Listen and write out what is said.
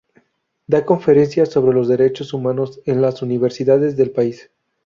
Da conferencias sobre los derechos humanos en las universidades del país.